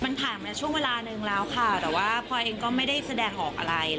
มันผ่านมาช่วงเวลานึงแล้วค่ะแต่ว่าพลอยเองก็ไม่ได้แสดงออกอะไร